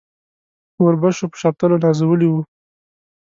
په اوربشو په شفتلو نازولي وو.